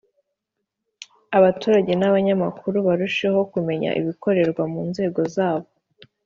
abaturage n abanyamakuru barusheho kumenya ibikorerwa mu nzego zabo